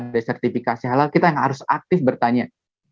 jadi intinya jika restoran belum ada sertifikasi halal kita yang harus aktif bertanya